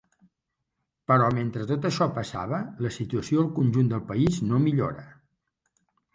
Però mentre tot això passava la situació al conjunt del país no millora.